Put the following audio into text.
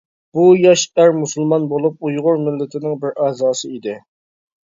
بۇ ياش ئەر مۇسۇلمان بولۇپ، ئۇيغۇر مىللىتىنىڭ بىر ئەزاسى ئىدى.